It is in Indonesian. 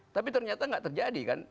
tapi ternyata nggak terjadi kan